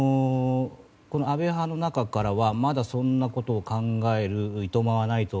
この安倍派の中からはまだそんなことを考える暇はないと。